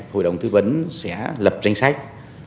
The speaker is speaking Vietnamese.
hội đồng tư vấn sẽ lập danh sách